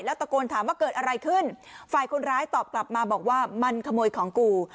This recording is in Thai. ตะโกนถามว่าเกิดอะไรขึ้นฝ่ายคนร้ายตอบกลับมาบอกว่ามันขโมยของกู